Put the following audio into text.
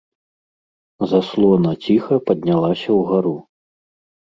Заслона ціха паднялася ўгару.